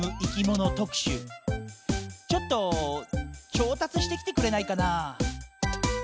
ちょっとちょうたつしてきてくれないかなぁ？